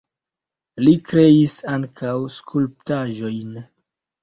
Li kreis ankaŭ skulptaĵojn.